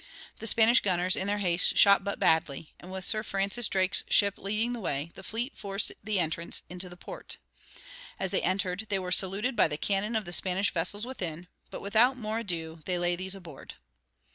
The Spanish gunners in their haste shot but badly, and with Sir Francis Drake's ship leading the way, the fleet forced the entrance into the port. As they entered they were saluted by the cannon of the Spanish vessels within, but without more ado they lay these aboard.